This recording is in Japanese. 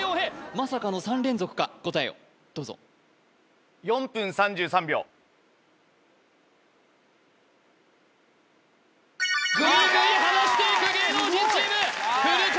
まさかの３連続か答えをどうぞぐいぐい離していく芸能人チーム古川